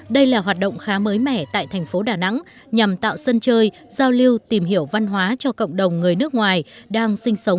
đây là hoạt động khá mới mẻ tại thành phố đà nẵng nhằm tạo sân chơi giao lưu tìm hiểu văn hóa cho cộng đồng người nước ngoài đang sinh sống